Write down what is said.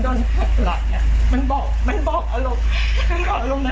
ทำงานครบ๒๐ปีได้เงินชดเฉยเลิกจ้างไม่น้อยกว่า๔๐๐วัน